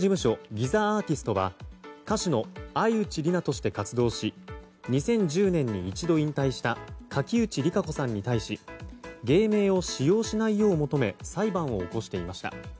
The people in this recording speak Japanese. ギザアーティストは歌手の愛内里菜として活動し２０１０年に一度引退した垣内里佳子さんに対し芸名を使用しないよう求め裁判を起こしていました。